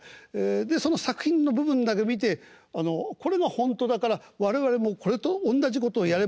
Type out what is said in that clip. でその作品の部分だけ見てこれが本当だから我々もこれと同じことをやればいいんだってやると止まるんですよ